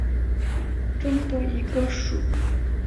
蔽眼蝶属是眼蝶亚科眼蝶族眉眼蝶亚族中的一个属。